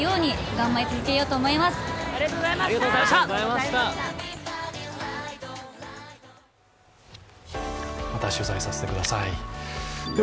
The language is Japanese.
また取材させてください。